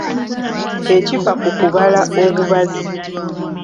Ekifa ku kubala obubazi .